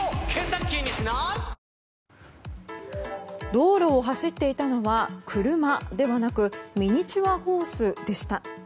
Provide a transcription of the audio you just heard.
道路を走っていたのは車ではなくミニチュアホースでした。